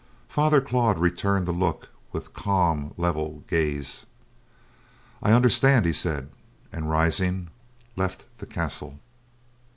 Father Claude returned the look with calm level gaze. "I understand," he said, and, rising, left the castle.